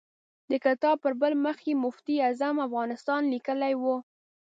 د کتاب پر بل مخ یې مفتي اعظم افغانستان لیکلی و.